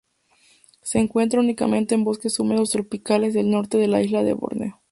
Se encuentra únicamente en bosques húmedos tropicales del norte de la isla de Borneo.